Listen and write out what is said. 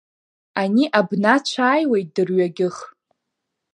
Ани абнацә ааиуеит дырҩагьых.